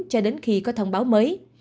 cho đến khi có thông báo mới